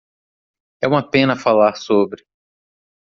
É uma pena falar sobre